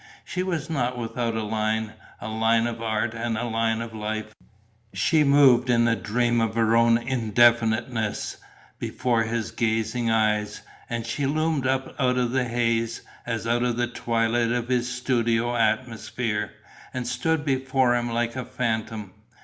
She was not without a line: a line of art and line of life; she moved in the dream of her own indefiniteness before his gazing eyes; and she loomed up out of the haze, as out of the twilight of his studio atmosphere, and stood before him like a phantom.